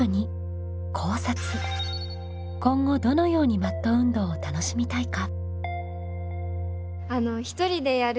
今後どのようにマット運動を楽しみたいか？